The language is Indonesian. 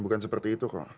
bukan seperti itu kok